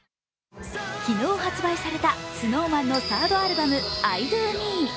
昨日発売されたＳｎｏｗＭａｎのサードアルバム、「ｉＤＯＭＥ」。